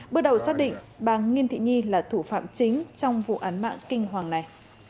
bước đầu xác định bà nghiêm thị nhi là thủ phạm chính trong vụ án mạng kinh hoàng này